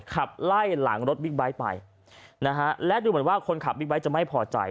ขับไล่หลังรถบิ๊กไบท์ไปนะฮะและดูเหมือนว่าคนขับบิ๊กไบท์จะไม่พอใจ